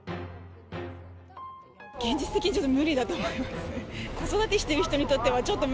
現実的にちょっと無理だと思いますね。